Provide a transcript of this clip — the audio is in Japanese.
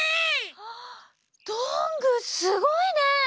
あどんぐーすごいね！